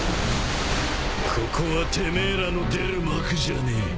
ここはてめえらの出る幕じゃねえ。